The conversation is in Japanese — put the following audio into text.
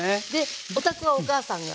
お宅はお母さんが？